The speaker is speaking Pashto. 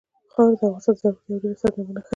خاوره د افغانستان د زرغونتیا یوه ډېره څرګنده نښه ده.